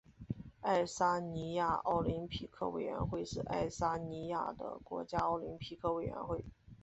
爱沙尼亚奥林匹克委员会是爱沙尼亚的国家奥林匹克委员会。